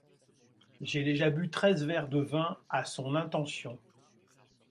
J’ai déjà bu treize verres de vin à son intention.